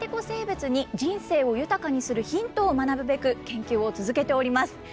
生物に人生を豊かにするヒントを学ぶべく研究を続けております。